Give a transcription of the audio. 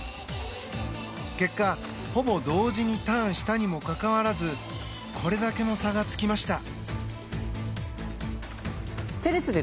結果、ほぼ同時にターンしたにもかかわらずこれだけの差がつきました。